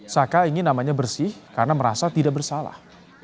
saka ingin namanya bersih karena merasa tidak bersalah